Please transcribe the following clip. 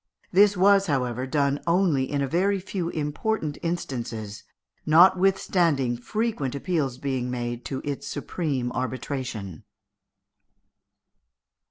This was, however, done only in a few very important instances, notwithstanding frequent appeals being made to its supreme arbitration.